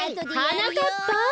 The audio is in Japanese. はなかっぱ！